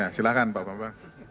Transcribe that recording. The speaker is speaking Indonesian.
ya silakan pak bamba